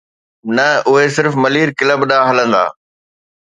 نه، اهي صرف ملير ڪلب ڏانهن هلندا.